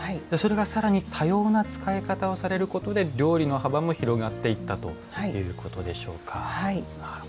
それが更に多様な使い方をされることで料理の幅も広がっていったということでしょうか。